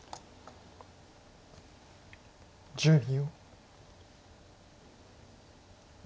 １０秒。